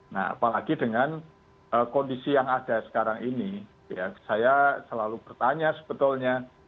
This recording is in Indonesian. nah apalagi dengan kondisi yang ada sekarang ini ya saya selalu bertanya sebetulnya